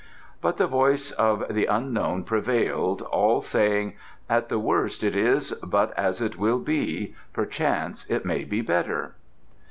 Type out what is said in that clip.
But the voice of the unknown prevailed, all saying: "At the worst it is but as it will be; perchance it may be better."